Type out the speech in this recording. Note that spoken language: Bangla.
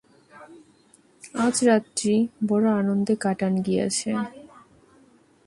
আজ রাত্রি বড় আনন্দে কাটান গিয়াছে।